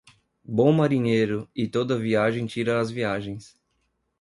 Bom marinheiro, e toda viagem tira as viagens.